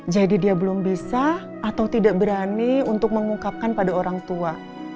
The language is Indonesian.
jadi dia belum bisa atau tidak berani untuk mengungkapkan pada orang tua